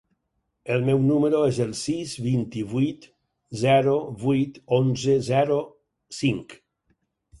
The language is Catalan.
El meu número es el sis, vint-i-vuit, zero, vuit, onze, zero, cinc.